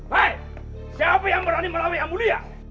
hei siapa yang berani melawan yang mulia